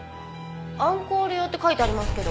「アンコール用」って書いてありますけど。